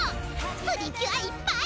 プリキュアいっぱい！